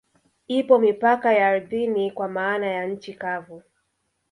Ipo mipaka ya ardhini kwa maana ya nchi kavu